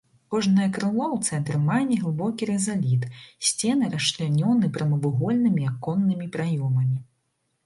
Кожнае крыло ў цэнтры мае неглыбокі рызаліт, сцены расчлянёны прамавугольнымі аконнымі праёмамі.